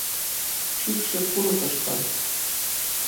Чӱкшӧ курыкышко...